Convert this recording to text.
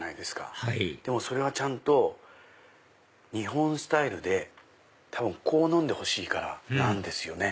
はいでもそれはちゃんと日本スタイルでこう飲んでほしいからですよね。